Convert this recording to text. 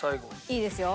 いいですよ。